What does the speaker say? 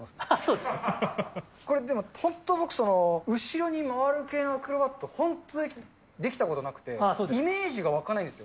でもこれ、本当、僕それ、後ろに回る系のアクロバット本当、できたことなくて、イメージが湧かないんですよ。